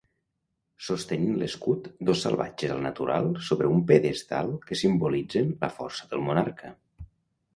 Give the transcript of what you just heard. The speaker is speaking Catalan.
Sostenint l'escut, dos salvatges al natural sobre un pedestal que simbolitzen la força del monarca.